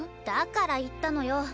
だから言ったのよ。